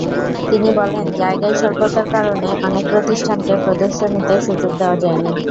তিনি বলেন, জায়গার স্বল্পতার কারণে অনেক প্রতিষ্ঠানকে প্রদর্শনীতে সুযোগ দেওয়া যায়নি।